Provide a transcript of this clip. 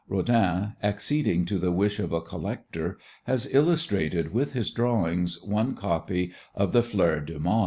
Rodin, acceding to the wish of a collector, has illustrated with his drawings one copy of the "Fleurs du Mal."